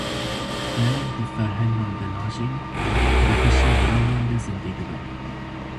Peyv di ferhengan de najîn, di hişê mirovan de zindî dibin.